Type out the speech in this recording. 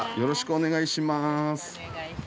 お願いします。